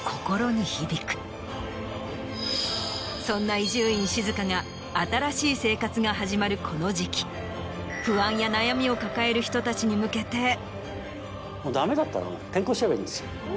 そんな伊集院静が新しい生活が始まるこの時期不安や悩みを抱える人たちに向けて。